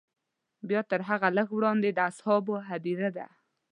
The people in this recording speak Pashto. بیا تر هغه لږ وړاندې د اصحابو هدیره ده.